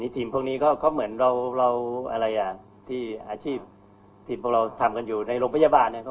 ทีมพวกนี้ก็เหมือนเราอะไรอ่ะที่อาชีพทีมพวกเราทำกันอยู่ในโรงพยาบาลเนี่ย